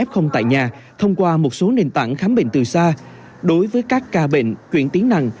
không tại nhà thông qua một số nền tảng khám bệnh từ xa đối với các ca bệnh chuyển tiếng nặng